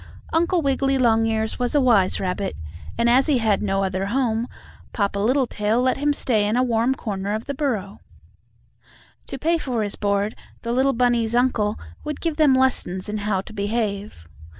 Uncle Wiggily Longears was a wise rabbit, and as he had no other home, Papa Littletail let him stay in a warm corner of the burrow. To pay for his board the little bunnies' uncle would give them lessons in how to behave.